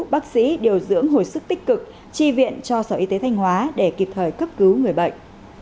bác sĩ điều dưỡng hồi sức tích cực chi viện cho sở y tế thanh hóa để kịp thời cấp cứu người bệnh